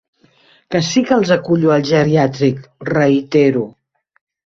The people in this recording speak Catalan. Que sí que els acullo al geriàtric, reitero.